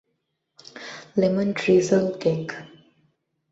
Lemon drizzle cake.